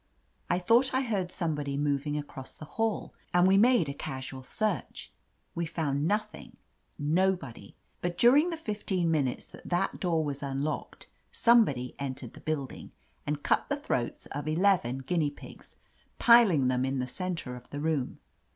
I thought I heard somebody moving across the hall, and we made a casual search. We found nothing, nobody. But during the fifteen minutes that that door was unlocked, somebody entered the building, and cut the throats of eleven guinea pigs, piling them in the center of the room.